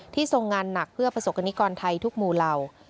ทรงงานหนักเพื่อประสบกรณิกรไทยทุกหมู่เหล่า